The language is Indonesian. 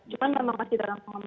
cuma memang masih dalam pengembangan